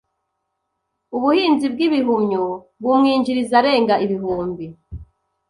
ubuhinzi bw’ibihumyo bumwinjiriza arenga ibihumbi...